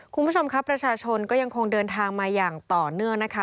คุณผู้ชมครับประชาชนก็ยังคงเดินทางมาอย่างต่อเนื่องนะคะ